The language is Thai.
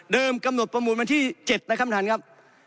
เดิมกำหนดประมูลวันที่๗นะครับท่านครับ